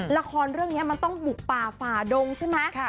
ละครเรื่องนี้มันต้องบุกป่าฝ่าดงใช่ไหม